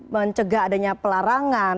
mencegah adanya pelarangan